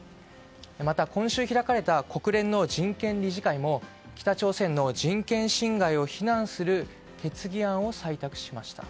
また、今週開かれた国連の人権理事会も北朝鮮の人権侵害を非難する決議案を採択しました。